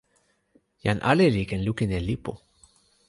jan ale li ken lukin e lipu.